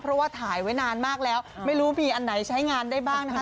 เพราะว่าถ่ายไว้นานมากแล้วไม่รู้มีอันไหนใช้งานได้บ้างนะคะ